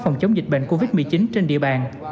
phòng chống dịch bệnh covid một mươi chín trên địa bàn